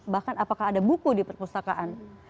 bahkan apakah ada buku di perpustakaan